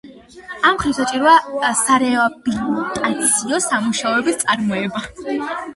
ამ მხრივ საჭიროა სარეაბილიტაციო სამუშაოების წარმოება.